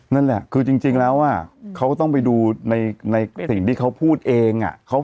นั่นแหละคือจริงแล้วเขาก็ต้องไปดูในสิ่งที่เขาพูดเอง